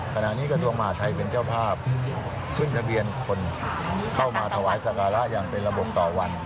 ขณะนี้กระทรวงมหาทัยเป็นเจ้าภาพขึ้นทะเบียนคนเข้ามาถวายสการะอย่างเป็นระบบต่อวัน